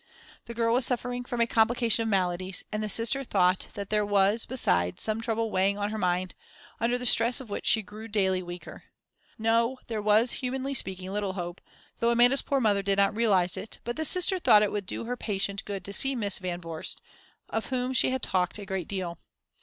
The girl was suffering from a complication of maladies, and the Sister thought that there was, besides, some trouble weighing on her mind, under the stress of which she grew daily weaker. No, there was, humanly speaking, little hope, though Amanda's poor mother did not realize it, but the Sister thought it would do her patient good to see Miss Van Vorst, of whom she had talked a great deal.